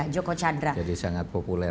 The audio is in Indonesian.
jadi sangat populer